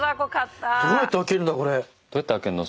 どうやって開けるの？